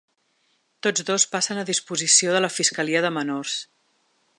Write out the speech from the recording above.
Tots dos passen a disposició de la fiscalia de menors.